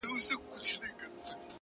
هغه خپه دی! هغه چم د شناخته نه کوي!